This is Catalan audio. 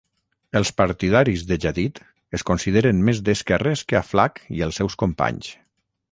Els partidaris de Jadid es consideren més d'esquerres que Aflaq i els seus companys.